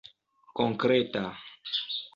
konkreta